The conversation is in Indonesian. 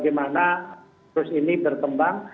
bagaimana virus ini bertembang